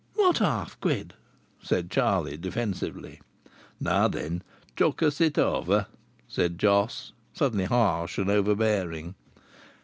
"What half quid?" said Charlie, defensively. "Now then. Chuck us it over!" said Jos, suddenly harsh and overbearing.